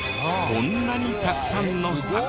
こんなにたくさんの作品を！